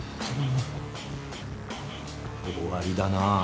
終わりだな。